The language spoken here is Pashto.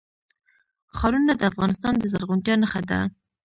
ښارونه د افغانستان د زرغونتیا نښه ده.